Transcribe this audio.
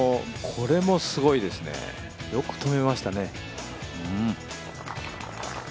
これもすごいですね、よく止めましたね。